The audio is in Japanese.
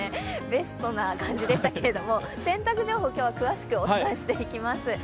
ベストな感じでしたけれども、洗濯情報、今日は詳しくお伝えしていきます。